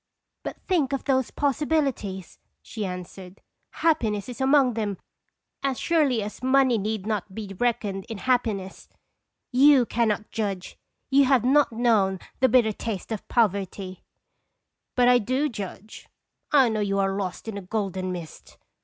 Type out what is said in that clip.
" "But think of those possibilities!" she answered; "happiness is among them as surely as money need not be reckoned in hap piness, ^fou cannot judge; you have not known the bitter taste of poverty " But I do judge. 1 know you are lost in a golden mist.